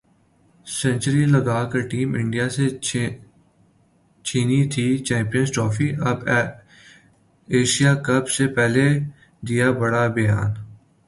century لگا کر team India سے چھینی تھی چمپئنز ٹرافی ، اب ایشیا کپ سے پہلے دیا بڑا بیان